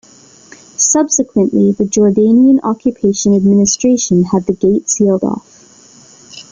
Subsequently the Jordanian occupation administration had the gate sealed off.